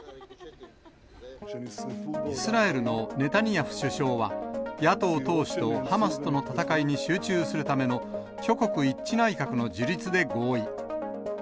イスラエルのネタニヤフ首相は、野党党首と、ハマスとの戦いに集中するための挙国一致内閣の樹立で合意。